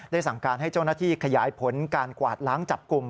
สั่งการให้เจ้าหน้าที่ขยายผลการกวาดล้างจับกลุ่ม